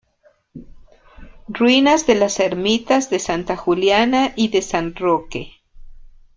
Ruinas de las ermitas de Santa Juliana y de San Roque.